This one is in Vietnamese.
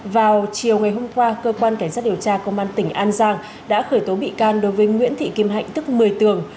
vào chiều ngày hôm qua cơ quan cảnh sát điều tra công an tỉnh an giang đã khởi tố bị can đối với nguyễn thị kim hạnh tức một mươi tường